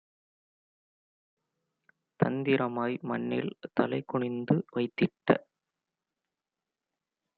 தந்திரமாய் மண்ணில் தலைகுனிந்து வைத்திட்ட